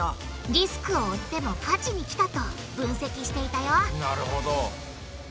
リスクを負っても勝ちにきたと分析していたよなるほど！